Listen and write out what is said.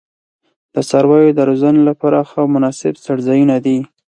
د څارویو د روزنې لپاره ښه او مناسب څړځایونه دي.